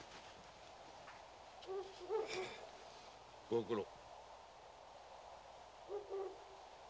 ご苦労。